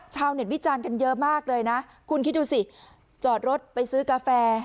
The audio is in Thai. ชาวเน็ตวิจารณ์กันเยอะมากเลยนะคุณคิดดูสิจอดรถไปซื้อกาแฟ